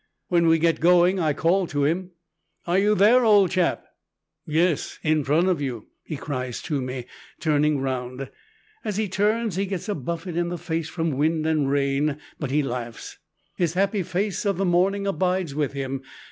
When we get going I call to him, "Are you there, old chap?" "Yes, in front of you," he cries to me, turning round. As he turns he gets a buffet in the face from wind and rain, but he laughs. His happy face of the morning abides with him.